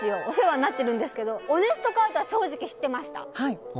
お世話になってるんですけどオネストカードは正直知ってました。